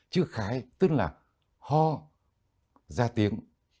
chữ khái tức là ho ra tiếng